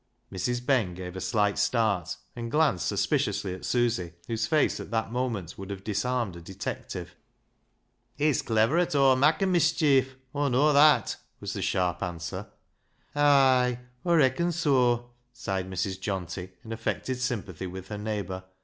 Mrs. Ben gave a slight start, and glanced suspiciously at Susy, whose face at that moment would have disarmed a detective. " He's cliver at aw mak' o' mischief, Aw know that," was the sharp answer. " Ay ! Aw reacon soa," sighed Mrs. Johnty in affected sympathy with her neighbour.